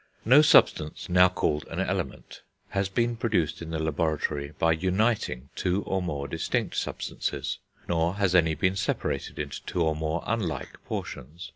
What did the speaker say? No substance now called an element has been produced in the laboratory by uniting two, or more, distinct substances, nor has any been separated into two, or more, unlike portions.